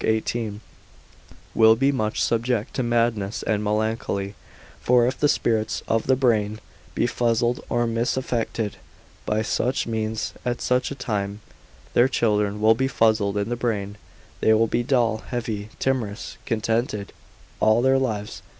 18) will be much subject to madness and melancholy; for if the spirits of the brain be fuzzled, or misaffected by such means, at such a time, their children will be fuzzled in the brain: they will be dull, heavy, timorous, discontented all their lives.